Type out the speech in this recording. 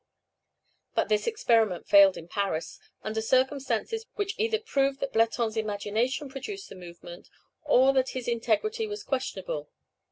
But this experiment failed in Paris, under circumstances which either proved that Bleton's imagination produced the movement, or that his integrity was questionable.